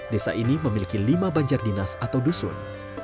desa ini memiliki lima banjar dinas atau dusun